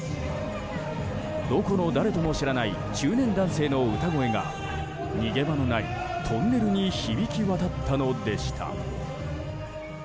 どこの誰とも知らない中年男性の歌声が逃げ場のないトンネルに響き渡ったのでした。